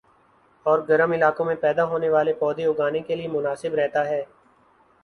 اور گرم علاقوں میں پیدا ہونے والے پودے اگانے کیلئے مناسب رہتا ہے